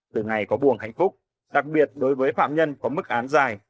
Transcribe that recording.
từ ngày có buồng hạnh phúc đặc biệt đối với phạm nhân có mức án dài